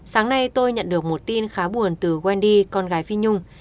sáng nay tôi nhận được một tin khá buồn từ wendy con gái phi nhung